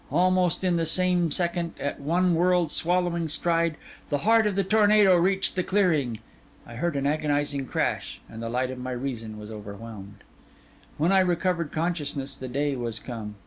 Almost in the same second, at one world swallowing stride, the heart of the tornado reached the clearing. I heard an agonising crash, and the light of my reason was overwhelmed. When I recovered consciousness, the day was come.